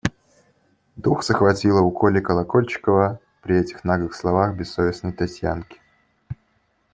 Дух захватило у Коли Колокольчикова при этих наглых словах бессовестной Татьянки.